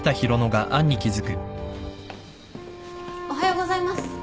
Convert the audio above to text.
おはようございます。